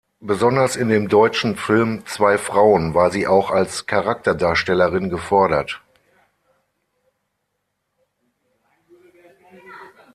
Besonders in dem deutschen Film "Zwei Frauen" war sie auch als Charakterdarstellerin gefordert.